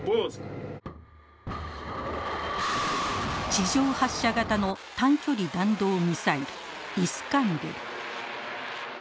地上発射型の短距離弾道ミサイルイスカンデル。